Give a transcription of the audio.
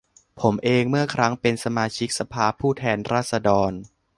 ผมเองเมื่อครั้งเป็นสมาชิกสภาผู้แทนราษฎร